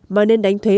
mà nên đánh thuế